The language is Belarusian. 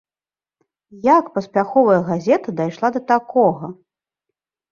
Як паспяховая газета дайшла да такога?